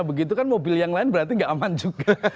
begitu kan mobil yang lain berarti gak aman juga